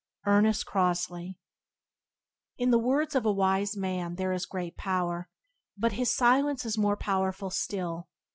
—Ernest Crosly. N the words of a wise man there is great power, but his silence is more powerful still.